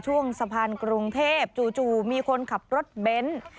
ช่วงสะพานกรุงเทพจู่มีคนขับรถเบนท์